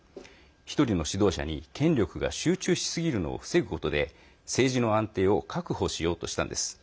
１人の指導者に権力が集中しすぎるのを防ぐことで政治の安定を確保しようとしたんです。